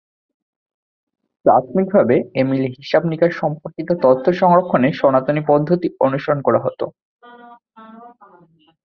প্রাথমিকভাবে এ মিলে হিসাবনিকাশ সম্পর্কিত তথ্য সংরক্ষণে সনাতনী পদ্ধতি অনুসরণ করা হতো।